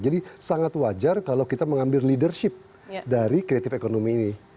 jadi sangat wajar kalau kita mengambil leadership dari kreatif ekonomi ini